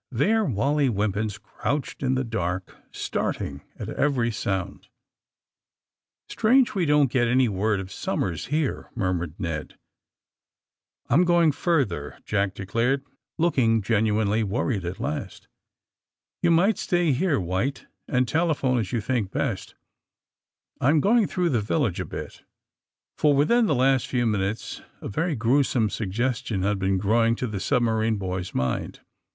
There Wally Wimpins crouched in the dark, starting at every sound, ^* Strange we don't get any word of Somera here, '' murmured Ned. '^I'm going further," Jack declared, looking genuinely worried at last. You might stay here, White, and telephone as you think best. I'm going through the village a bit." AND THE SMUGGLEES 189 For within the last few minutes a very grue some suggestion had been growing in the sub marine boy's mind.